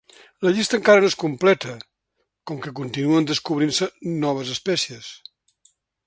La llista encara no és completa, com que continuen descobrint-se noves espècies.